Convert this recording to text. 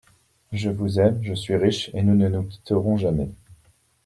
Je vous aime, je suis riche, et nous ne nous quitterons jamais.